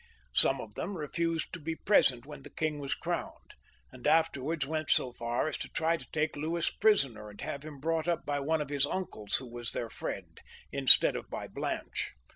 Some of them refused to be present when the king was crowned, and afterwards went so fa^ as to tiy to take Louis prisoner and have him brought up by one of his uncles who was their friend, instead of by Blanche.